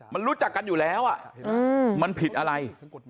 มันรู้จักกันอยู่แล้วมันผิดอะไร